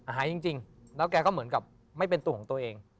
หายจริงแล้วแกก็เหมือนกับไม่เป็นตัวของตัวเอง